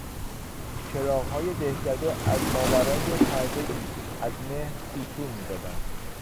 چراغهای دهکده از ماورای پردهای از مه سوسو میزدند.